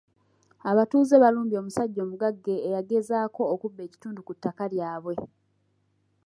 Abatuuze balumbye omusajja omugagga eyagezaako okubba ekitundu ku ttaka lyabwe.